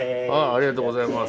ありがとうございます。